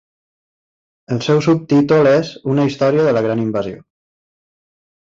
El seu subtítol és "Una Història de la Gran Invasió".